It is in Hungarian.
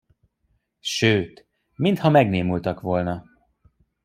Sőt, mintha megnémultak volna.